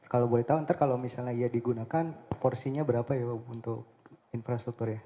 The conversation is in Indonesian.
kalau boleh tahu nanti kalau misalnya ya digunakan porsinya berapa ya bu untuk infrastruktur ya